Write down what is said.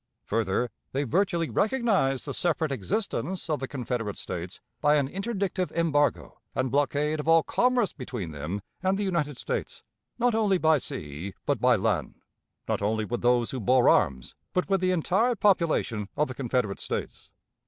Further, they virtually recognized the separate existence of the Confederate States by an interdictive embargo, and blockade of all commerce between them and the United States, not only by sea but by land; not only with those who bore arms, but with the entire population of the Confederate States.